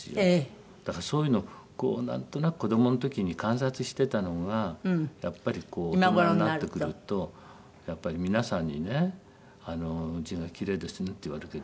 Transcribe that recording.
だからそういうのをこうなんとなく子どもの時に観察してたのがやっぱりこう大人になってくるとやっぱり皆さんにね「字がキレイですね」って言われるけど。